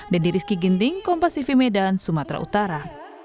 dedy rizky ginding kompas tv medan sumatera utara